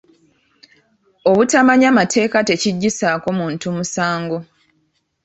Obutamanya mateeka tekiggyisaako muntu musango.